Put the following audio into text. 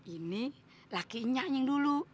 ini laki nyanying dulu